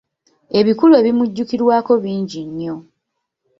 Ebikulu ebimujjukirwako bingi nnyo.